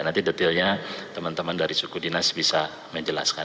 nanti detailnya teman teman dari suku dinas bisa menjelaskan